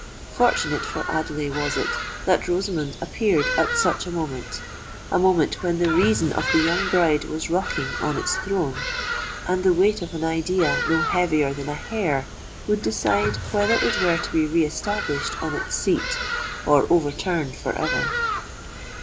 Fortunate for Adelais was it that Rosamond appeared at such a moment,—a moment when the reason of the young bride was rocking on its throne, and the weight of an idea no heavier than a hair would decide whether it were to be re established on its seat or overturned for ever!